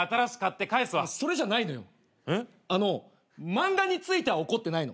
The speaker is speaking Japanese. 漫画については怒ってないの。